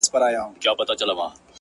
ځکه چي ماته يې زړگی ويلی _